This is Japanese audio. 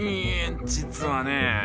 実はね